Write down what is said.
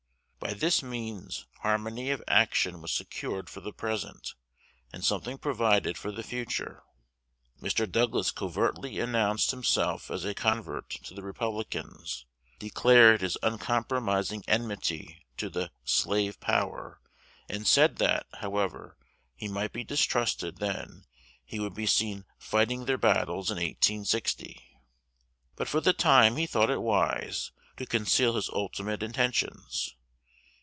By this means, harmony of action was secured for the present, and something provided for the future. Mr. Douglas covertly announced himself as a convert to the Republicans, declared his uncompromising enmity to "the slave power," and said that, however he might be distrusted then, he would be seen "fighting their battles in 1860;" but for the time he thought it wise to conceal his ultimate intentions.